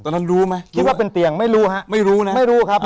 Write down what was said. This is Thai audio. รู้ไหมคิดว่าเป็นเตียงไม่รู้ฮะไม่รู้นะไม่รู้ครับ